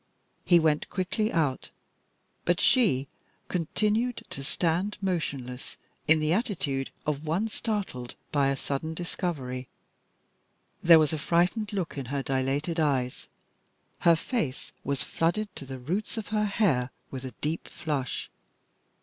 He went quickly out, but she continued to stand motionless, in the attitude of one startled by a sudden discovery. There was a frightened look in her dilated eyes. Her face was flooded to the roots of her hair with a deep flush.